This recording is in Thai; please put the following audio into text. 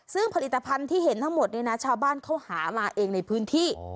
ซึ่งผลิตภัณฑ์ที่เห็นทั้งหมดเนี่ยนะชาวบ้านเขาหามาเองในพื้นที่